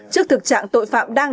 trước thực trạng tội phạm đang